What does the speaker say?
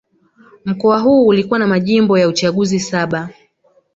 Mkoa huu ulikuwa na majimbo ya uchaguzi saba